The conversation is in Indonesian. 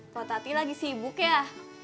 kalau tati lagi sibuk ya